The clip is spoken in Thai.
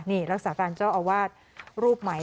นี่รักษาการเจ้าอาวาสรูปใหม่